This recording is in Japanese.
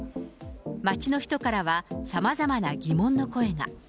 街の人からは、さまざまな疑問の声が。